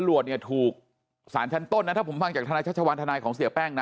จรวดเนี่ยถูกศาลชั้นต้นนะถ้าผมฟังจากธนาชาชาวรรณฑนายของเสียแป้งนะ